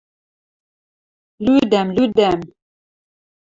– Лӱдӓм, лӱдӓм...